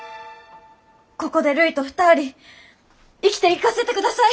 ここでるいと２人生きていかせてください！